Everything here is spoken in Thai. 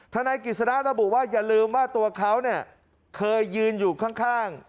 ทานัยกิจสนาแนบุว่าอย่าลืมว่าตัวเขาเนี่ยเคยยืนอยู่ข้าง